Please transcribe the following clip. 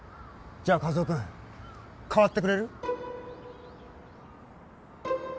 じゃあ一男くん代わってくれる？